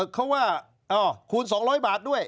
เขาว่าคูณ๒๐๐บาทด้วย